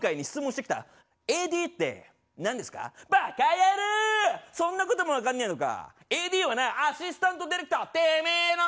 続いてそんなことも分かんねえのか！